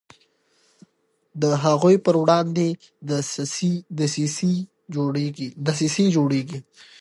د هغوی پر وړاندې دسیسې جوړیږي.